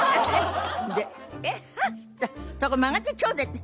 で「えっ？あっ」って言ったら「そこ曲がってちょうね」